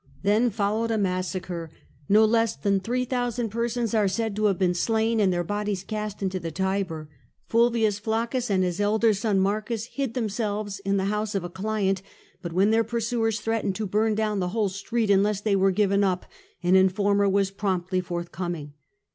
Then followed a massacre ; no less than three thousand persons are said to have been slain, and their bodies cast into the Tiber. Bulvius Placcus and his elder son Marcus hid themselves in the house of a client, but when their pursuers threatened to burn down the whole street unless they were given up, an informer was promptly forth coming.